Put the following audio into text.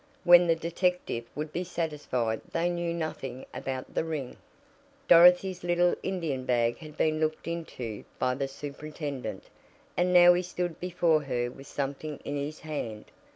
When the detective would be satisfied they knew nothing about the ring Dorothy's little Indian bag had been looked into by the superintendent, and now he stood before her with something in his hand.